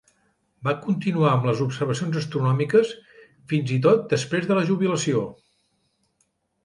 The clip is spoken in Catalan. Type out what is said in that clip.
Va continuar amb les observacions astronòmiques, fins i tot després de la jubilació.